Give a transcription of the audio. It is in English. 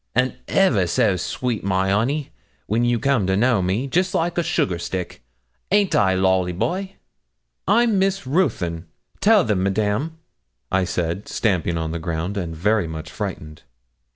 and ever so sweet, my honey, when you come to know me, just like a sugarstick; ain't I, Lolly, boy?' 'I'm Miss Ruthyn, tell them, Madame,' I said, stamping on the ground, and very much frightened.